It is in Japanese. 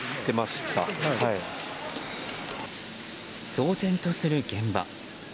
騒然とする現場。